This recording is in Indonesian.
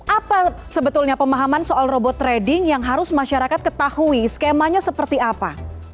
apa sebetulnya pemahaman soal robot trading yang harus masyarakat ketahui skemanya seperti apa